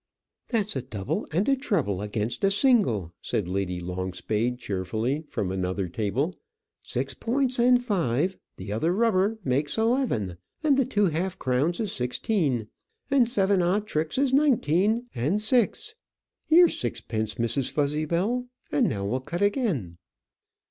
"That's a double and a treble against a single," said Lady Longspade, cheerfully, from another table; "six points, and five the other rubber makes eleven; and the two half crowns is sixteen, and seven odd tricks is nineteen and six. Here's sixpence, Mrs. Fuzzybell; and now we'll cut again."